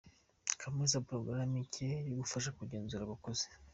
kumulusi porogaramu nshya yagufasha kugenzura abakozi